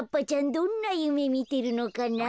どんなゆめみてるのかな？